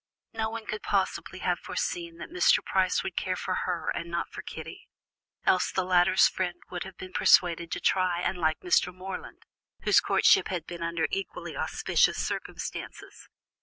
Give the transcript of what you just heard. No one could possibly have foreseen that Mr. Price would care for her and not for Kitty! else the latter's friends might have persuaded her to try and like Mr. Morland, whose courtship had been under equally auspicious circumstances.